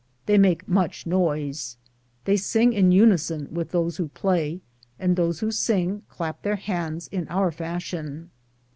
They make much noise. They sing in unison with those who play, and those who sing clap their hands in our fashion.